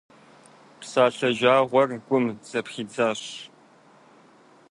Псалъэ жагъуэр гум зэпхидзащ.